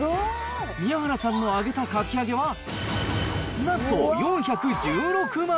宮原さんの揚げたかき揚げは、なんと、４１６枚。